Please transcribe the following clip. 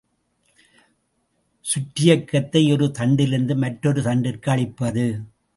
சுற்றியக்கத்தை ஒரு தண்டிலிருந்து மற்றொரு தண்டிற்கு அளிப்பது.